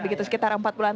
begitu sekitar empat bulan